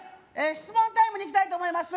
質問タイムにいきたいと思います